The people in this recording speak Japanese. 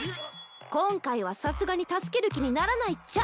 今回はさすがに助ける気にならないっちゃ。